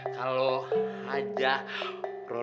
kalau ada rodi